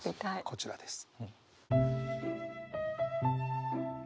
こちらです。